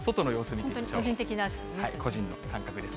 個人の感覚です。